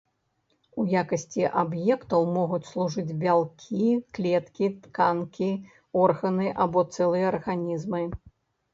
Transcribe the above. У якасці аб'ектаў могуць служыць бялкі, клеткі, тканкі, органы, або цэлыя арганізмы.